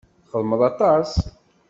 Txeddmeḍ aṭas.